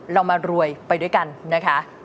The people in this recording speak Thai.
เรามารวยไปด้วยกันนะคะ